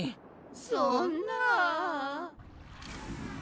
そんな。